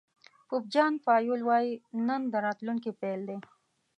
پوپ جان پایول وایي نن د راتلونکي پيل دی.